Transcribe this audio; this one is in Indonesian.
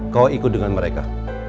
kau ikut dengan mereka